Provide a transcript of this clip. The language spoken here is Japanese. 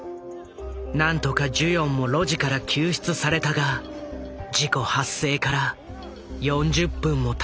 何とかジュヨンも路地から救出されたが事故発生から４０分もたっていた。